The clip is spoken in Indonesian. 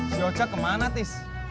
si ojek kemana tis